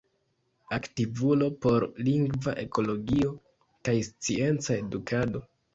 Aktivulo por lingva ekologio kaj scienca edukado.